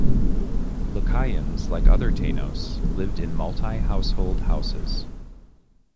Lucayans, like other Tainos, lived in multi-household houses.